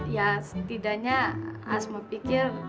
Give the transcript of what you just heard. ya setidaknya asma pikir